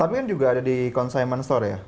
tapi kan juga ada di concement store ya